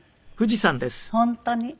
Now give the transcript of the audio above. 本当に。